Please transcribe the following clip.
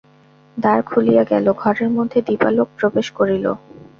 দ্বার খুলিয়া গেল, ঘরের মধ্যে দীপালোক প্রবেশ করিল।